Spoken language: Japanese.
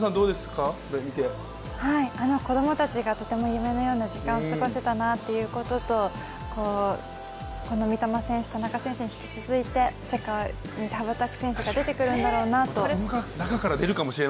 子供たちがとても夢のような時間を過ごせたなということと、三笘選手、田中選手に引き続いて世界に羽ばたく選手が出てくるんだろうなと思いました。